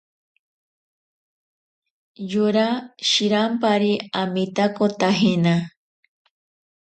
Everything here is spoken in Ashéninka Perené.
Yora shirampari amitakotajena.